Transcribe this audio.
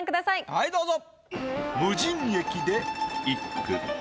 はいどうぞ。